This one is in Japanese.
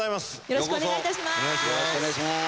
よろしくお願いします。